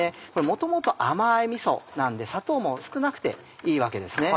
元々甘いみそなんで砂糖も少なくていいわけですね。